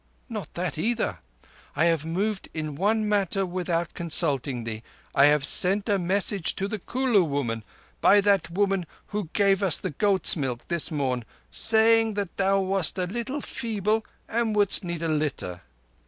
"Not that either. I have moved in one matter without consulting thee. I have sent a message to the Kulu woman by that woman who gave us the goat's milk this morn, saying that thou wast a little feeble and wouldst need a litter.